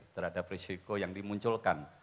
terhadap risiko yang dimunculkan